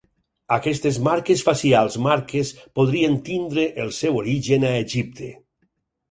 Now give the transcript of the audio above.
Aquestes marques facials marques podrien tenir el seu origen a Egipte.